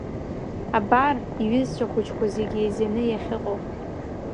Абар иҩызцәа хәыҷқәа зегьы еизаны иахьыҟоу.